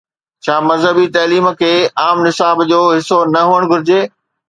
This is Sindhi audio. ڇا مذهبي تعليم کي عام نصاب جو حصو نه هئڻ گهرجي؟